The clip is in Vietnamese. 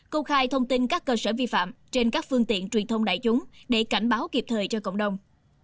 công khai thông tin các cơ sở vi phạm trên các phương tiện truyền thông đại chúng để cảnh báo kịp thời cho cộng đồng